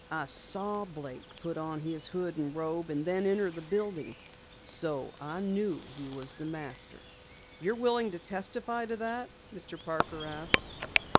I saw Blake put on his hood and robe and then enter the building, so I knew he was the Master." "You're willing to testify to that?" Mr. Parker asked.